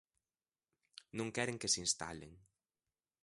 Non queren que se instalen.